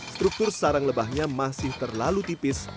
struktur sarang lebahnya masih terlalu tipis